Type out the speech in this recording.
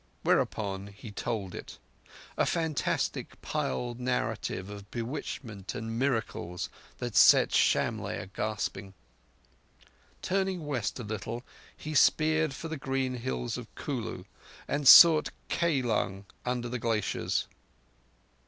Whereupon he told it: a fantastic piled narrative of bewitchment and miracles that set Shamlegh a gasping. Turning west a little, he steered for the green hills of Kulu, and sought Kailung under the glaciers.